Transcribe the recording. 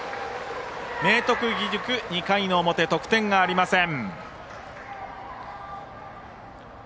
明徳義塾、２回の表得点がありません。